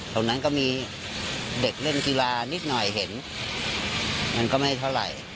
ตรงนั้นก็มีเด็กเล่นกีฬานิดหน่อยเห็นมันก็ไม่เท่าไหร่